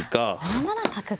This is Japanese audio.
７七角が。